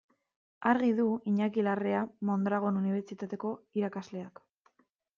Argi du Iñaki Larrea Mondragon Unibertsitateko irakasleak.